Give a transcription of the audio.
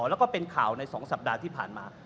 แล้วก็เป็นข่าวใน๒สัปดาห์ที่ผ่านมา